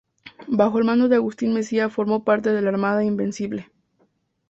Bajo el mando de Agustín Messía, formó parte de la Armada Invencible.